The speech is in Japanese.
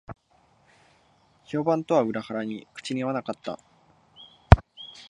評判とは裏腹に口に合わなかった